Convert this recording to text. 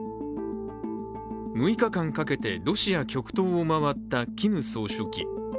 ６日間かけてロシア極東を回ったキム総書記。